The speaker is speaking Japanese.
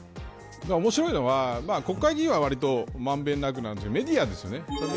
面白いのは国会議員はわりと満べんなくなんですけどメディアですよね。